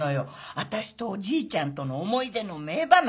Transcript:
私とおじいちゃんとの思い出の名場面